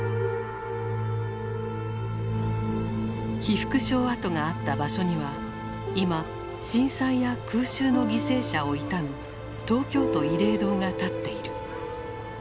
被服廠跡があった場所には今震災や空襲の犠牲者を悼む東京都慰霊堂が立っている。